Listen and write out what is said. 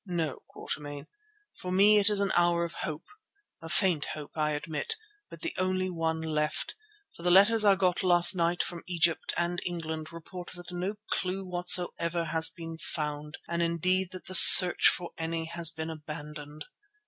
"No, Quatermain. For me it is an hour of hope; a faint hope, I admit, but the only one left, for the letters I got last night from Egypt and England report that no clue whatsoever has been found, and indeed that the search for any has been abandoned.